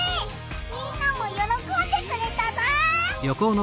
みんなもよろこんでくれたぞ！